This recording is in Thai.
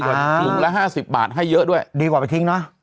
อ่าถุงละห้าสิบบาทให้เยอะด้วยดีกว่าไปทิ้งเนอะ